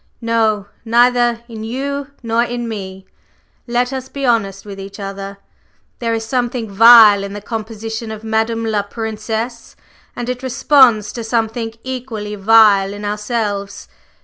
No, neither in you nor in me! Let us be honest with each other. There is something vile in the composition of Madame la Princesse, and it responds to something equally vile in ourselves.